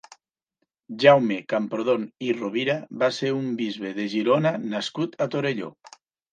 Jaume Camprodon i Rovira va ser un bisbe de Girona nascut a Torelló.